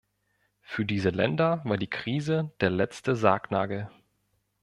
Für diese Länder war die Krise der letzte Sargnagel.